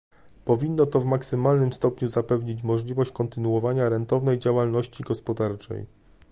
Powinno to w maksymalnym stopniu zapewnić możliwość kontynuowania rentownej działalności gospodarczej